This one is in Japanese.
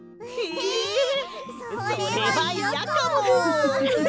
えそれはいやかもです。